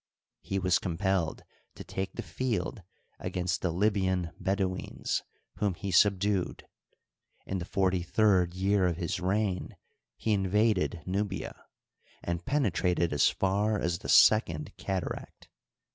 He was compelled to take the field against the Libyan Bedouins, whom he subdued. In the forty third year of his reig^ he invaded Nubia, and penetrated as far as the Second Cat aract.